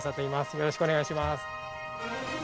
よろしくお願いします。